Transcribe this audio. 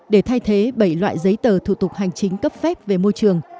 để thay thế bảy loại giấy tờ thủ tục hành chính cấp phép về môi trường